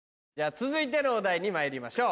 続いてのお題にまいりましょう。